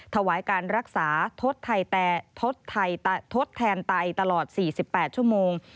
ถวายการรักษาทดแทนไตตลอด๔๘ชั่วโมง